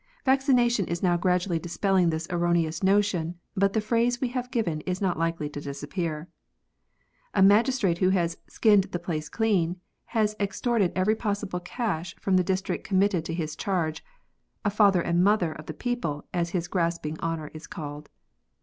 Vaccination is now gradually dispelling this erroneous notion, but the phrase we have given is not likely to disappear. A magistrate who has shinned the place clean, has extorted every possible* cash from the district com mitted to his charge — a *' father and mother" of the people, as his grasping honour is called.